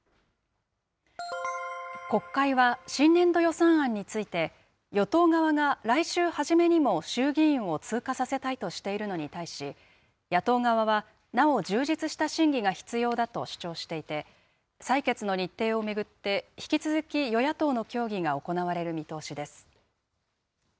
国会は新年度予算案について、与党側が来週初めにも衆議院を通過させたいとしているのに対し、野党側はなお充実した審議が必要だと主張していて、採決の日程を巡って引き続き与野党の協議が行われる見通しです。